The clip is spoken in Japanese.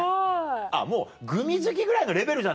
あっもうグミ好きぐらいのレベルじゃ。